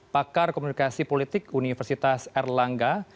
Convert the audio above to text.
pakar komunikasi politik universitas erlangga